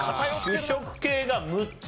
主食系が６つ。